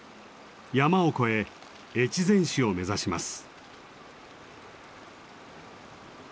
山を越え越前市を目指します。